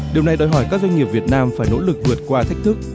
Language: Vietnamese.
điều này đòi hỏi các doanh nghiệp việt nam phải nỗ lực vượt qua thách thức